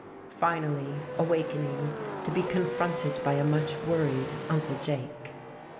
Finally, awakening, to be confronted by a much worried Uncle Jake.